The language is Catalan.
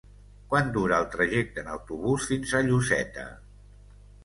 Quant dura el trajecte en autobús fins a Lloseta?